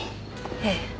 ええ。